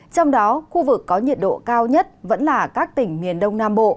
trong đó khu vực có nhiệt độ cao nhất vẫn là các tỉnh miền đông nam bộ